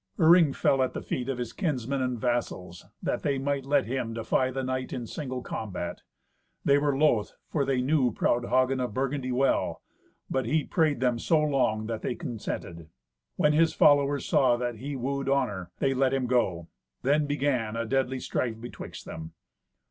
Iring fell at the feet of his kinsmen and vassals, that they might let him defy the knight in single combat. They were loth, for they knew proud Hagen of Burgundy well. But he prayed them so long that they consented. When his followers saw that he wooed honour, they let him go. Then began a deadly strife betwixt them.